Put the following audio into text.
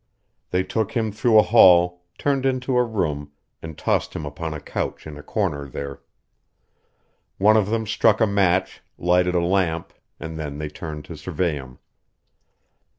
They took him through a hall, turned into a room, and tossed him upon a couch in a corner there. One of them struck a match, lighted a lamp, and then they turned to survey him.